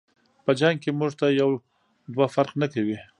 په جنګ کی مونږ ته یو دوه فرق نکوي.